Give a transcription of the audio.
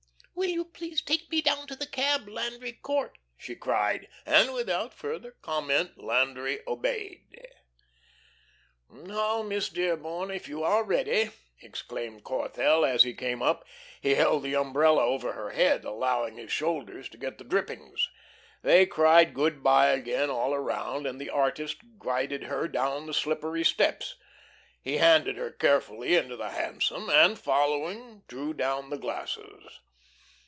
"Will you please take me down to the cab, Landry Court?" she cried. And without further comment Landry obeyed. "Now, Miss Dearborn, if you are ready," exclaimed Corthell, as he came up. He held the umbrella over her head, allowing his shoulders to get the drippings. They cried good by again all around, and the artist guided her down the slippery steps. He handed her carefully into the hansom, and following, drew down the glasses.